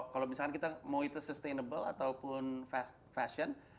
kalau misalkan kita mau itu sustainable ataupun fashion